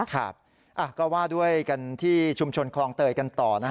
ครับก็ว่าด้วยกันที่ชุมชนคลองเตยกันต่อนะฮะ